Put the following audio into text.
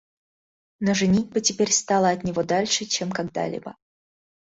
Но женитьба теперь стала от него дальше, чем когда-либо.